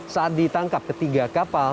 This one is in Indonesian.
saat ditangkap ketiga kapal